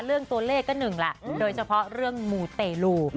เรื่องตัวเลขก็หนึ่งแหละโดยเฉพาะเรื่องมูเตลู